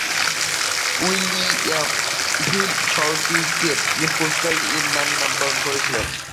William Hill শহরটিকে "Port Henry" নামে নামকরণ করেছিলেন।